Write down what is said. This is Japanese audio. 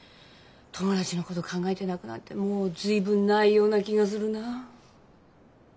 友達のこと考えて泣くなんてもう随分ないような気がするなあ。